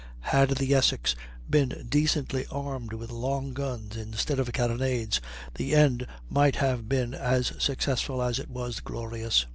Had the Essex been decently armed with long guns, instead of carronades, the end might have been as successful as it was glorious.